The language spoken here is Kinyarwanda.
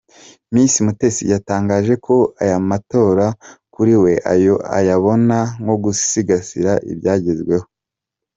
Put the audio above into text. Miss Mutesi yatangaje ko aya matora kuri we ayabona nko ‘gusigasira ibyagezweho.